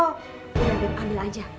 udah bener ambil aja